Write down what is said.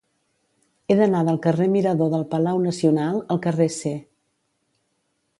He d'anar del carrer Mirador del Palau Nacional al carrer C.